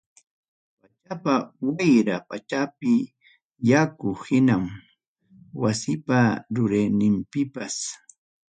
Pachapa wayra pachapi yaku hinam, wasipa rupayninpipas.